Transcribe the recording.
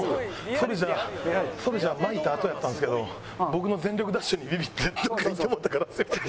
ソルジャーソルジャーまいたあとやったんですけど僕の全力ダッシュにビビってどっか行ってもうたからすみません。